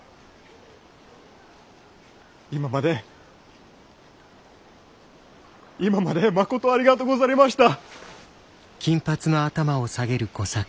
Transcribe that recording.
今まで今までまことありがとうござりました。